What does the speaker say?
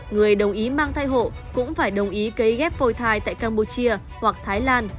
người đồng ý mang thai hộ cũng phải đồng ý cấy ghép phôi thai tại campuchia hoặc thái lan